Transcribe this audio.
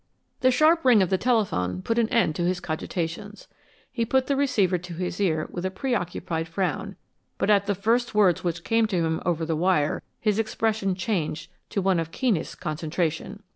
The sharp ring of the telephone put an end to his cogitations. He put the receiver to his ear with a preoccupied frown, but at the first words which came to him over the wire his expression changed to one of keenest concentration.